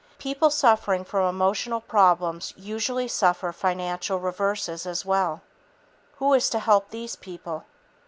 People suffering from emotional problems usually suffer financial reverses as well. Who is to help these people?